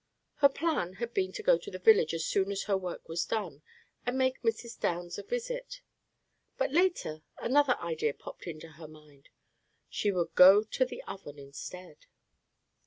Her plan had been to go to the village as soon as her work was done, and make Mrs. Downs a visit, but later another idea popped into her mind. She would go to the Oven instead.